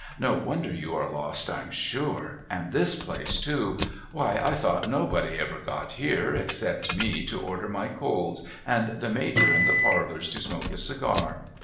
No wonder you are lost, I'm sure. And this place too ! Why I thought nobody ever got here, except me to order my coals and the Major in the parlours to smoke his cigar!'